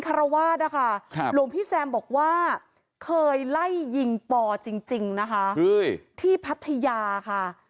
หลวงพี่แซมท่านบอกว่ารู้จักกับคุณปอลนี้๑๖ปีนะครับ